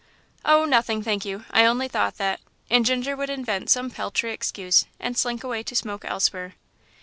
"Oh, nothing, thank you; I only thought that " and Ginger would invent some paltry excuse and slink away to smoke elsewhere.